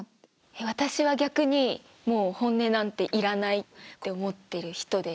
私は逆にもう本音なんていらないって思ってる人です。